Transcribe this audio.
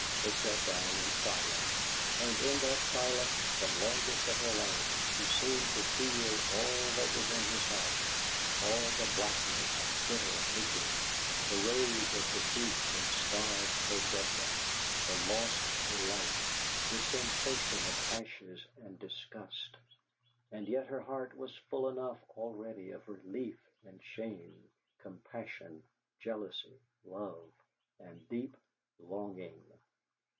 They sat down in silence, and in that silence, the longest of her life, she seemed to feel all that was in his heart, all the blackness and bitter aching, the rage of defeat and starved possession, the lost delight, the sensation of ashes and disgust; and yet her heart was full enough already of relief and shame, compassion, jealousy, love, and deep longing.